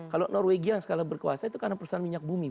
kalau norwegia yang skala berkuasa itu karena perusahaan minyak bumi